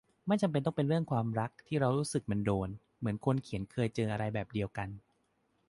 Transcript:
ไม่จำเป็นต้องเป็นเรื่องความรัก ที่เรารู้สึกมันโดน เหมือนคนเขียนเคยเจออะไรแบบเดียวกัน